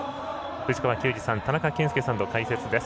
藤川球児さん、田中賢介さんの解説です。